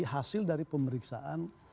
hasil dari pemeriksaan